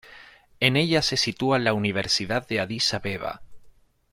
En ella se sitúa la Universidad de Adís Abeba.